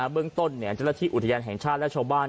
เบื้องต้นเจ้าหน้าที่อุทยานแห่งชาติและชาวบ้าน